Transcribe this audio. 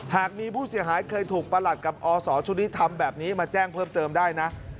หากมีผู้เสียหายเคยถูกประหลัดกับอศชุดนี้ทำแบบนี้มาแจ้งเพิ่มเติมได้นะ